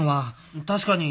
確かに。